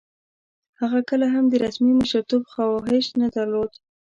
هغه کله هم د رسمي مشرتوب خواهیش نه درلود.